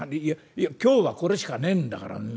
いや今日はこれしかねえんだから。